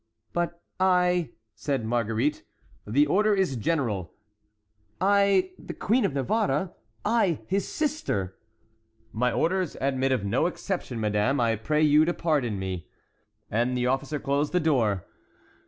"But I"—said Marguerite. "The order is general." "I, the Queen of Navarre!—I, his sister!" "My orders admit of no exception, madame; I pray you to pardon me." And the officer closed the door.